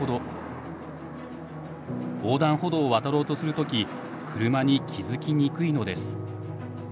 横断歩道を渡ろうとする時車に気付きにくいのです。